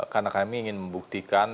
karena kami ingin membuktikan